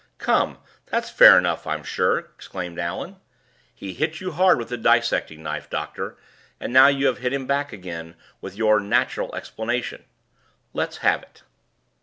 "Come; that's fair enough, I'm sure," exclaimed Allan. "He hit you hard with the 'dissecting knife,' doctor; and now you have hit him back again with your 'natural explanation.' Let's have it."